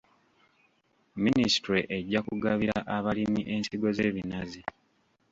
Minisitule ejja kugabira abalimi ensigo z'ebinazi.